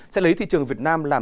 sẽ lấy thị trường việt nam làm chỗ